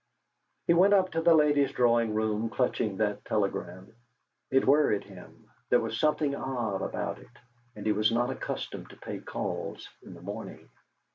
He went up to the ladies' drawing room, clutching that telegram. It worried him. There was something odd about it, and he was not accustomed to pay calls in the morning.